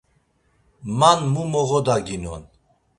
Man mu moğodaginon.